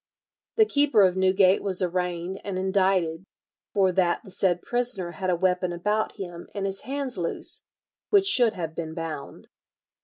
"The keeper of Newgate was arraigned and indicted for that the said prisoner had a weapon about him and his hands loose, which should have been bound."